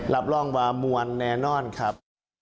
รับรองว่ามวลแน่นอนครับ